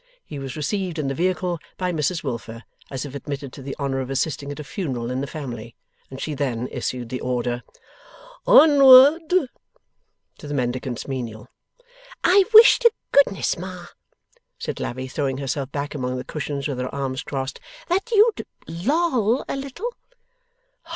He was received in the vehicle, by Mrs Wilfer, as if admitted to the honour of assisting at a funeral in the family, and she then issued the order, 'Onward!' to the Mendicant's menial. 'I wish to goodness, Ma,' said Lavvy, throwing herself back among the cushions, with her arms crossed, 'that you'd loll a little.